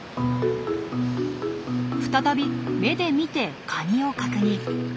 再び目で見てカニを確認。